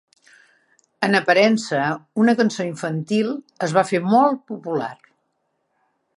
En aparença una cançó infantil, es va fer molt popular.